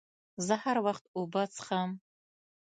زه هر وخت اوبه څښم.